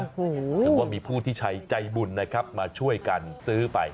ถือว่ามีผู้ที่ใช้ใจบุญนะครับมาช่วยกันซื้อไป